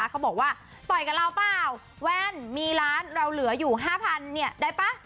เขาบอกว่าต่อยกับเราเปล่าแว่นมีร้านเราเหลืออยู่๕๐๐เนี่ยได้ป่ะ